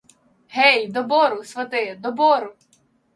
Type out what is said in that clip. Гей, до бору, свати, до бору!